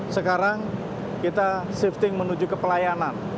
sekarang kita shifting menuju ke pelayanan